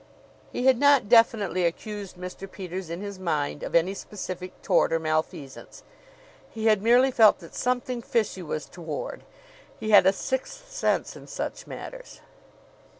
He had not definitely accused Mr. Peters in his mind of any specific tort or malfeasance. He had merely felt that something fishy was toward. He had a sixth sense in such matters.